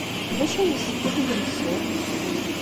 D acu ay yessefk ad t-id-nesseww?